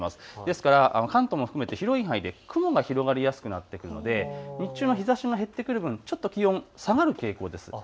ですから関東も含めて広い範囲で雲が広がりやすくなってくるので日中も日ざしが減ってくる分、気温も下がります。